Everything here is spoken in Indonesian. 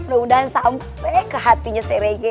mudah mudahan sampai ke hatinya serege